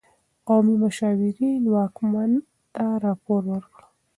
قومي مشاورین واکمن ته راپور ورکړ.